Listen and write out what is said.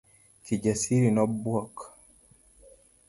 Kijasiri nobuok.